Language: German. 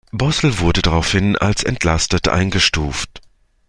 Bosl wurde daraufhin als „entlastet“ eingestuft.